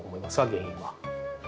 原因は。